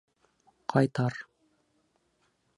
Ҡайтар!